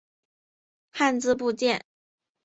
汉字部件。